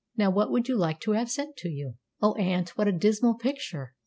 Now, what would you like to have sent you?" "O aunt, what a dismal picture!"